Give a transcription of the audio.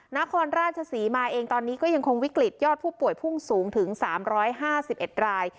นครราชสีมาเองตอนนี้ก็ยังคงวิกฤตยอดผู้ป่วยพุ่งสูงถึงสามร้อยห้าสิบเอ็ดราย